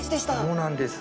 そうなんです。